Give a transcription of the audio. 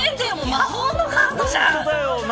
魔法のカードじゃん。